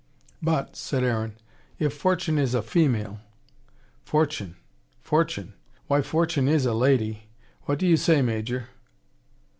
"But," said Aaron, "if Fortune is a female " "Fortune! Fortune! Why, Fortune is a lady. What do you say, Major?"